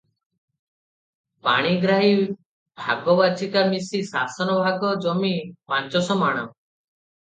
ପାଣିଗ୍ରାହୀ ଭାଗବାଚିକା ମିଶି ଶାସନ ଭାଗ ଜମି ପାଞ୍ଚଶ ମାଣ ।